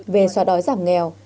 về xóa đói giảm nghèo